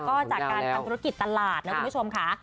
ก็จากการทำธุรกิจตลาดนะคุณผู้ชมค่ะ